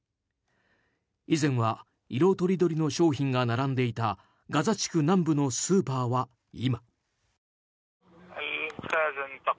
以前は色とりどりの商品が並んでいたガザ地区南部のスーパーは今。